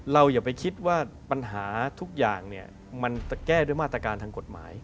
อย่าไปคิดว่าปัญหาทุกอย่างเนี่ยมันจะแก้ด้วยมาตรการทางกฎหมาย